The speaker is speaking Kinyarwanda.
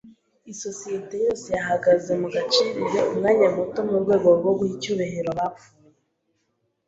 Isosiyete yose yahagaze mu gacerere umwanya muto, mu rwego rwo guha icyubahiro abapfuye.